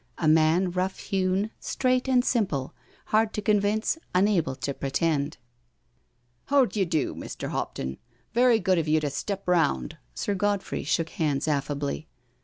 A man rough hewn, straight and simple, hard to convince, unable to pretend. •* How d'y'do, Mr. Hopton— very good of you to step round. Sir Godfrey shook hands affably.